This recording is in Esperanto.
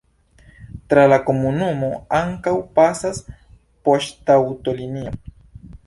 Tra la komunumo ankaŭ pasas poŝtaŭtolinio.